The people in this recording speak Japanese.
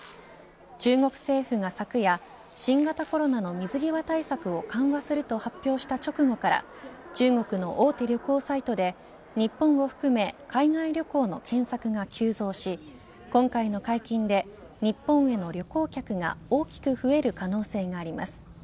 中国政府が昨夜新型コロナの水際対策を緩和すると発表した直後から中国の大手旅行サイトで日本を含め海外旅行の検索が急増し今回の解禁で日本への旅行客が大きく増える可能性があります。